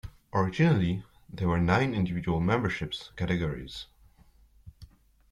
Originally there were nine individual membership categories.